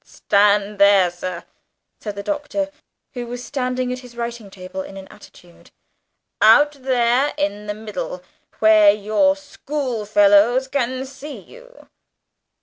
"Stand there, sir," said the Doctor, who was standing at his writing table in an attitude; "out there in the middle, where your schoolfellows can see you."